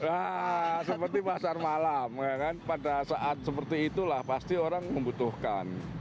nah seperti pasar malam pada saat seperti itulah pasti orang membutuhkan